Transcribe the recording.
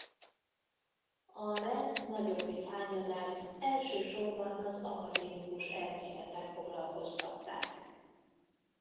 A rend nagyobbik hányadát elsősorban az akadémikus elméletek foglalkoztatták.